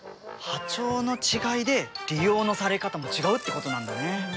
波長の違いで利用のされ方も違うってことなんだね。